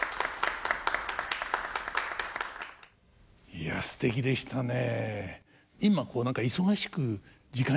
いやすてきでしたね。